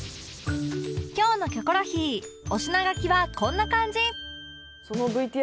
今日の『キョコロヒー』お品書きはこんな感じ